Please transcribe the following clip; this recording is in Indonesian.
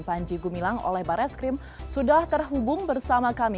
panji gumilang oleh barreskrim sudah terhubung bersama kami